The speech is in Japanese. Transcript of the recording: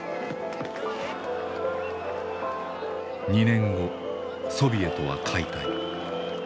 ２年後ソビエトは解体。